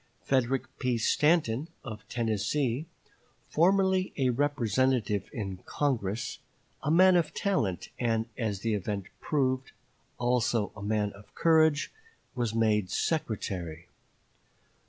Frederick P. Stanton, of Tennessee, formerly a representative in Congress, a man of talent and, as the event proved, also a man of courage, was made secretary.